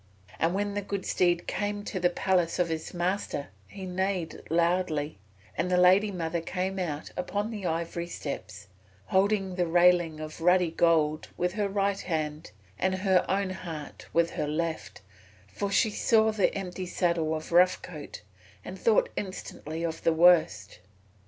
And when the good steed came to the palace of his master he neighed loudly, and the lady mother came out upon the ivory steps holding the railing of ruddy gold with her right hand and her own heart with her left, for she saw the empty saddle of Rough Coat, and thought instantly of the worst.